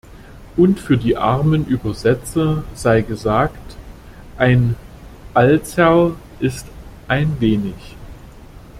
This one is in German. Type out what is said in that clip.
Und für die armen Übersetzer sei gesagt: ein "Alzerl" ist "ein wenig" .